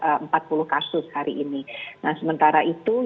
nah sementara itu kasus omikron yang total kumulatif yang kita sudah deteksi